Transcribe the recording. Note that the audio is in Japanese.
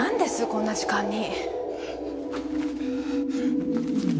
こんな時間に。